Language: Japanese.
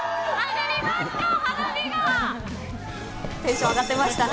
テンション上がってましたね。